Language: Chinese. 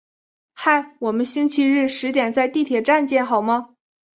嗨，我们星期日十点在地铁站见好吗？